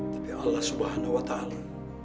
tapi allah subhanahu wa ta'ala